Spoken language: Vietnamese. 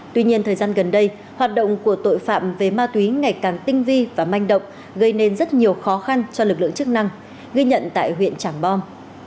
tuy nhiên thời gian gần đây hoạt động của tội phạm về ma túy ngày càng tinh vi và manh động gây nên rất nhiều khó khăn cho lực lượng chức năng ghi nhận tại huyện trảng bom